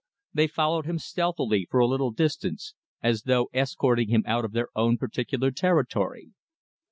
They followed him stealthily for a little distance, as though escorting him out of their own particular territory.